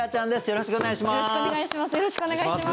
よろしくお願いします。